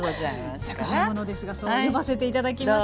若輩者ですがそう呼ばせて頂きます。